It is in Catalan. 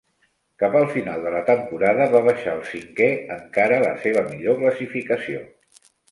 Cap al final de la temporada, va baixar al cinquè, encara la seva millor classificació.